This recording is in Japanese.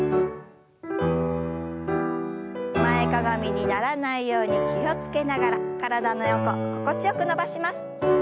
前かがみにならないように気を付けながら体の横心地よく伸ばします。